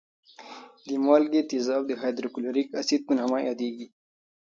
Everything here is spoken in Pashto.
د مالګي تیزاب د هایدروکلوریک اسید په نامه یادېږي.